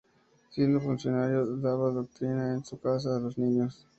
Siendo funcionario, daba doctrina en su casa a los niños.